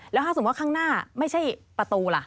แล้วถ้าสมมุติว่าข้างหน้าไม่ใช่ประตูล่ะ